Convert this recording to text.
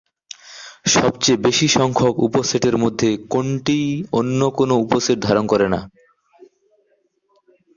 সবচেয়ে বেশি সংখ্যক উপসেটের মধ্যে কোনটিই অন্য কোনো উপসেট ধারণ করে না?